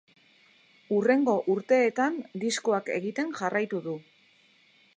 Hurrengo urteetan diskoak egiten jarraitu du.